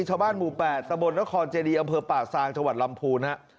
ชาวบ้านหมู่๘ตะบนนครเจดีอำเภอป่าซางจังหวัดลำพูนฮะ